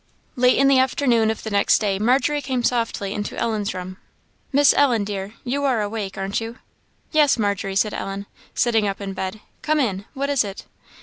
Late in the afternoon of the next day Margery came softly into Ellen's room. "Miss Ellen, dear, you are awake, aren't you?" "Yes, Margery," said Ellen, sitting up in bed; "come in. What is it?"